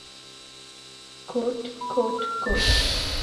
_کوټ، کوټ ، کوټ…